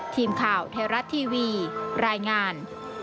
ทีมข่าวไทยรัฐทีวีรายงาน